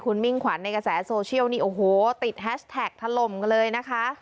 คุณมิ่งขวัญในกระแสโซเชียลนี่โอ้โหติดแฮชแท็กถล่มกันเลยนะคะ